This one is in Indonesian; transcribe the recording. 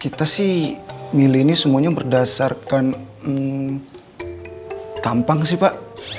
kita sih milih ini semuanya berdasarkan tampang sih pak